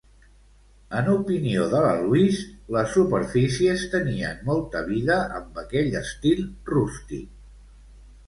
En opinió de la Louise, les superfícies tenien molta vida amb aquell estil rústic.